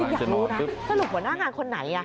อยากรู้นะสรุปหัวหน้างานคนไหน